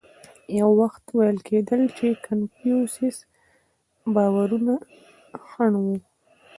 یو وخت ویل کېدل چې کنفوسیوس باورونه خنډ و.